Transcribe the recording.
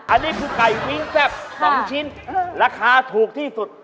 อันนี้คือไก่ปิ้งแซ่บ๒ชิ้นราคาถูกที่สุด